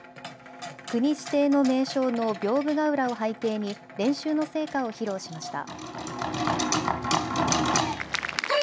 国指定の名勝の屏風ヶ浦を背景に練習の成果を披露しました。